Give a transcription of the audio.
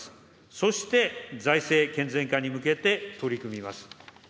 そして財政健全化に向けて取り組みます。